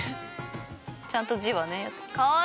ちゃんと字はね。可愛い！